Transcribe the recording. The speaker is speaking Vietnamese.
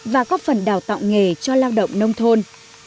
và có phần đào tạo nghề cho lao động nông thôn